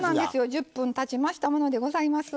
１０分たちましたものでございます。